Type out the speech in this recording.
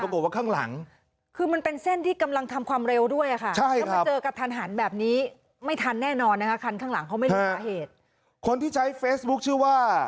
คันข้างหลังเขาไม่รู้เหตุคนที่ใช้เฟซบุ๊กชื่อว่า